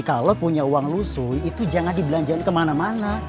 kalau punya uang lusuh itu jangan dibelanjain kemana mana